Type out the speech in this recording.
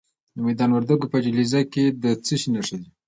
د میدان وردګو په جلریز کې د څه شي نښې دي؟